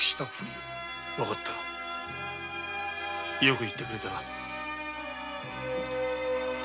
わかったよく言ってくれた。